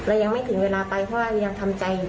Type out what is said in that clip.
คือเรายังไม่ถึงเวลาไปเพราะว่าเรายังทำใจ